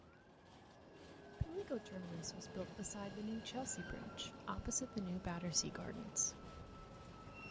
Pimlico terminus was built beside the new Chelsea Bridge, opposite the new Battersea Gardens.